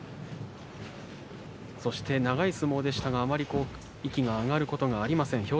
そして長い相撲でしたがあまり息が上がることがありません。